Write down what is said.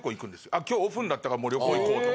あ今日オフになったからもう旅行行こうと。